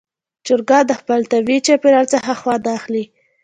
چرګان د خپل طبیعي چاپېریال څخه خوند اخلي.